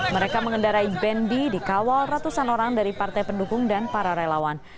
mereka mengendarai bandbie di kawal ratusan orang dari partai pendukung dan para relawan